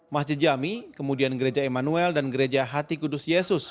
masjid jami kemudian gereja emmanuel dan gereja hati kudus yesus